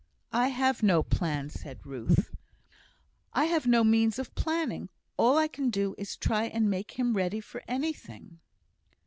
"I have no plan," said Ruth. "I have no means of planning. All I can do is to try and make him ready for anything."